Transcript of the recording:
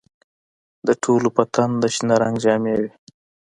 د ټولو پر تن د شنه رنګ جامې وې.